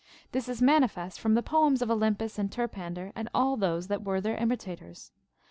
This is manifest from the poems of Olympus and Terpan der and all those that were their imitators.